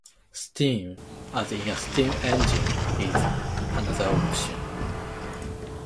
Steam, as in a steam engine, is another option.